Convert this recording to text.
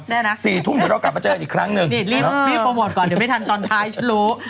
สี่ทุ่มเดี๋ยวเรากลับมาเจอกันอีกครั้งหนึ่งนี่รีบรีบโปรโมทก่อนเดี๋ยวไม่ทันตอนท้ายฉันรู้